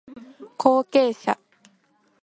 後継者